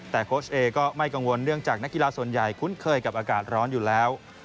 แต่โค้ชเอก็ไม่กังวลเนื่องจากนักกีฬาส่วนใหญ่คุ้นเคยกับอากาศร้อนอยู่แล้ว